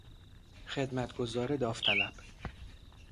خدمتگزار داوطلب